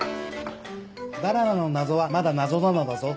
バナナの謎はまだ謎なのだぞ。